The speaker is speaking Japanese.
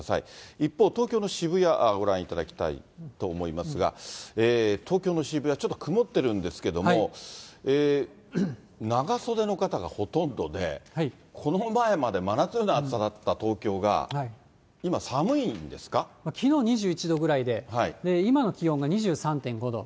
一方、東京の渋谷ご覧いただきたいと思いますが、東京の渋谷、ちょっと曇ってるんですけれども、長袖の方がほとんどで、この前まで真夏のような暑さだった東京が、きのう２１度ぐらいで、今の気温が２３．５度。